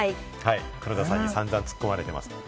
黒田さんに散々ツッコまれてます。